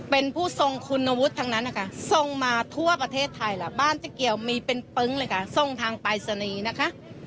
เป็นผู้ทรงคุณวุฒิทั้งนั้นนะคะทรงมาทั่วประเทศไทยล่ะบ้านเจ๊เกียวมีเป็นปึ๊งเลยค่ะทรงทางปลายศนีย์นะคะ